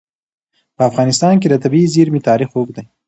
په افغانستان کې د طبیعي زیرمې تاریخ اوږد دی.